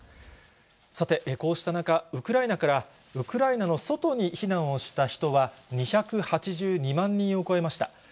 さて、こうした中、ウクライナからウクライナの外に避難をした人は２８２万人を超えました。